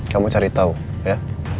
kamu cari tau ya